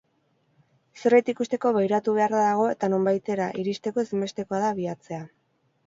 Zerbait ikusteko begiratu beharra dago eta nonbaitera iristeko ezinbestekoa da abiatzea.